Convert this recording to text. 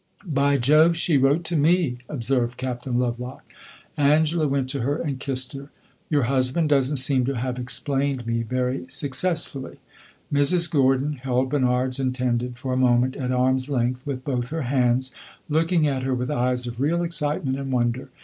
"By Jove, she wrote to me!" observed Captain Lovelock. Angela went to her and kissed her. "Your husband does n't seem to have explained me very successfully!" Mrs. Gordon held Bernard's intended for a moment at arm's length, with both her hands, looking at her with eyes of real excitement and wonder.